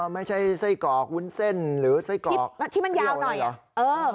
ไม่ใช่ไส้กรอกวุ้นเส้นหรือไส้กรอกที่มันยาวหน่อยเหรอ